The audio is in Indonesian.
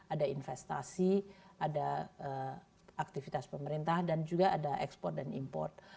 ada investasi ada aktivitas pemerintah dan juga ada ekspor dan import